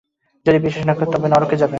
যদি বিশ্বাস না কর, তবে নরকে যাইবে।